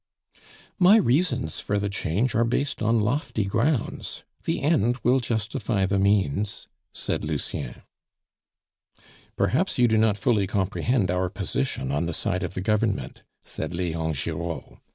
"My reasons for the change are based on lofty grounds; the end will justify the means," said Lucien. "Perhaps you do not fully comprehend our position on the side of the Government," said Leon Giraud.